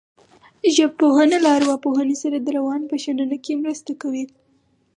ژبپوهنه له ارواپوهنې سره د روان په شننه کې مرسته کوي